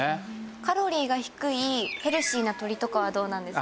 カロリーが低いヘルシーな鶏とかはどうなんですか？